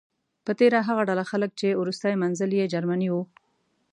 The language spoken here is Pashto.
په تیره هغه ډله خلک چې وروستی منزل یې جرمني و.